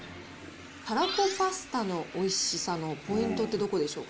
たらこパスタのおいしさのポイントってどこでしょう？